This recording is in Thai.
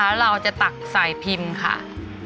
แล้วเราจะตักสายพิมพ์ค่ะ